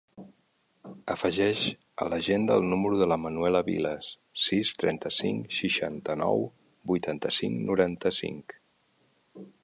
Afegeix a l'agenda el número de la Manuela Vilas: sis, trenta-cinc, seixanta-nou, vuitanta-cinc, noranta-cinc.